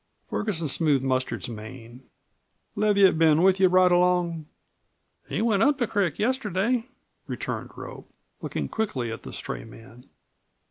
Ferguson smoothed Mustard's mane. "Leviatt been with you right along?" "He went up the crick yesterday," returned Rope, looking quickly at the stray man.